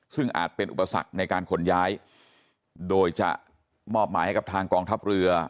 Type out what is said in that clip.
ซึ่งอาจเป็นอุปสรรคในการขนย้ายโดยจะมอบหมายให้กับทางกองทัพเรือ